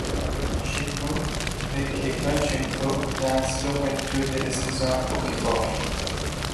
Chaiko veut que Rodchenko danse l'ouverture de la saison au Kirov.